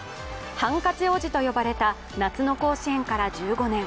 ハンカチ王子と呼ばれた夏の甲子園から１５年。